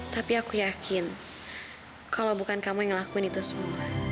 tapi aku yakin kalau bukan kamu yang ngelakuin itu semua